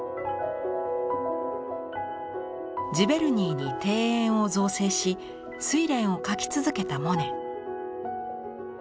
ジヴェルニーに庭園を造成し睡蓮を描き続けたモネ。